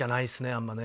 あんまね